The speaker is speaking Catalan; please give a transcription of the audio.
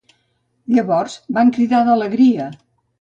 Llavors, van cridar d'alegria!